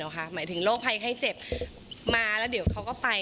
หมายถึงโรคภัยไข้เจ็บมาแล้วเดี๋ยวเขาก็ไป